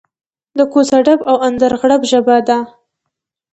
د کوڅه ډب او اندرغړب ژبه ده.